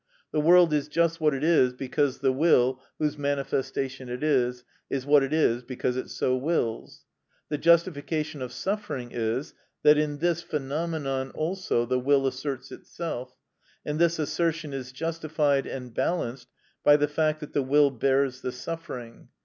The world is just what it is because the will, whose manifestation it is, is what it is, because it so wills. The justification of suffering is, that in this phenomenon also the will asserts itself; and this assertion is justified and balanced by the fact that the will bears the suffering.